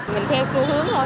mình theo xu hướng thôi